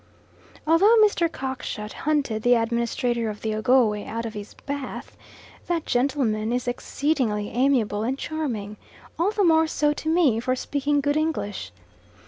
Although Mr. Cockshut hunted the Administrator of the Ogowe out of his bath, that gentleman is exceedingly amiable and charming, all the more so to me for speaking good English.